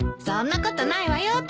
そんなことないわよ